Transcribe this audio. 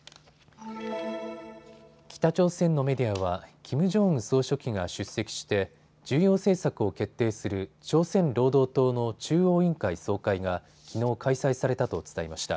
北朝鮮のメディアはキム・ジョンウン総書記が出席して重要政策を決定する朝鮮労働党の中央委員会総会がきのう開催されたと伝えました。